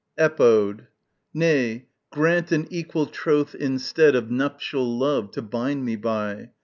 Epode. Nay, grant an equal troth instead Of nuptial love, to bind me by!